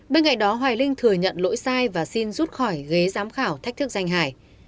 bên cạnh đó hoài linh thừa nhận lỗi sai và xin rút khỏi ghế giám khảo thách thức danh hải